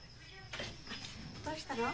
どうしたの？